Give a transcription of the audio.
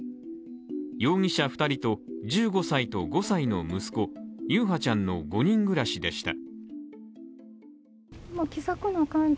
容疑者２人と、１５歳と５歳の息子優陽ちゃんの５人暮らしでした。